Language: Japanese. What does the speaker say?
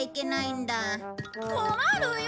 困るよ！